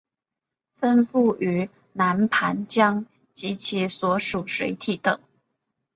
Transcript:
分布于南盘江及其所属水体等。